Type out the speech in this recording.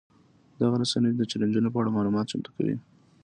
دغه رسنۍ د چلنجونو په اړه معلومات چمتو کوي.